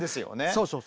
そうそう。